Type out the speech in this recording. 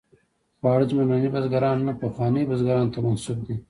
خواړه زموږ ننني بزګرانو نه، پخوانیو بزګرانو ته منسوب دي.